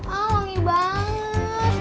oh wangi banget